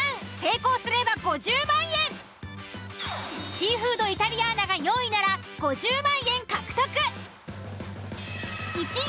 シーフードイタリアーナが４位なら５０万円獲得。